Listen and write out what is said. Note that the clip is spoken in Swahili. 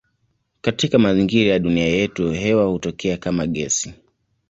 Katika mazingira ya dunia yetu hewa hutokea kama gesi.